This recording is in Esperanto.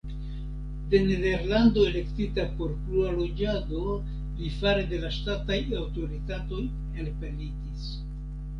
De Nederlando elektita por plua loĝado li fare de la ŝtataj aŭtoritatoj elpelitis.